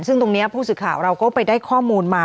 ซึ่งตรงนี้ผู้สื่อข่าวเราก็ไปได้ข้อมูลมา